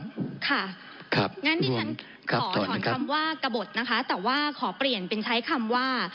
งั้นดิฉันขอถอนคำว่ากระบดนะคะแต่ว่าขอเปลี่ยนเป็นใช้คำว่า